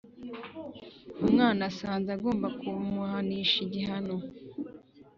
umwana asanze agomba kumuhanisha igihano